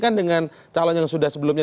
kan dengan calon yang sudah sebelumnya